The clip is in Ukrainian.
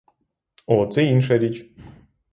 О, це інша річ.